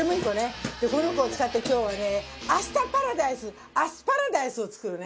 でこの子を使って今日はね明日パラダイスアスパラダイスを作るね。